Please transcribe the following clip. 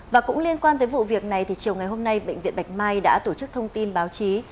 và cũng liên quan tới vụ việc này thì chiều ngày hôm nay bệnh viện bạch mai đã tổ chức thông tin báo chí